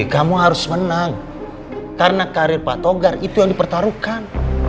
kamu harus menang karena karir pak togar itu yang dipertaruhkan